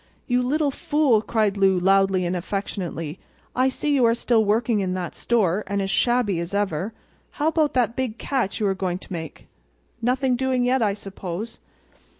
"You little fool!" cried Lou, loudly and affectionately. "I see you are still working in that store, and as shabby as ever. And how about that big catch you were going to make—nothing doing yet, I suppose?"